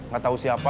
gak tau siapa